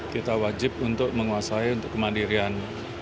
kita wajib untuk menguasai untuk kemandirian